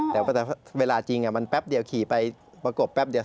แต่เวลาจริงมันแป๊บเดียวขี่ไปประกบแป๊บเดียว